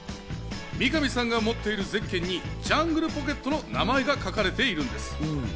見上さんが持っているゼッケンにジャングルポケットの名前が書かれているんです。